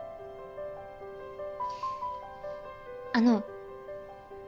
あの。